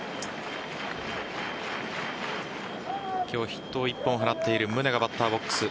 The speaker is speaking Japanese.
今日ヒットを１本放っている宗がバッターボックス。